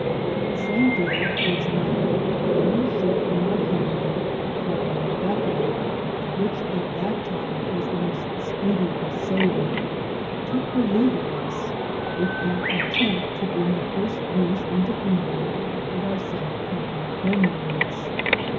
The same daye, towardes nyghte, one shipe in our Companye, caled the Rebecka, the which at that time was the moste speedie of saile, toukfe her leve of us, with an intente to bringe the firste newes into Ingland of our safe cominge homwardes.